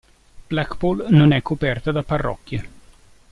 Blackpool non è coperta da parrocchie.